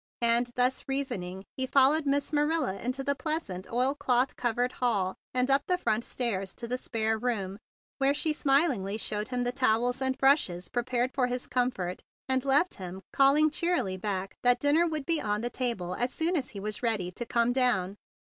And, thus reasoning, he followed Miss Ma¬ nila into the pleasant oilcloth covered hall, and up the front stairs to the spare room, where she smilingly showed him the towels and brushes prepared for his comfort, and left him, calling cheerily back that dinner would be on the table as soon as he was ready to come down.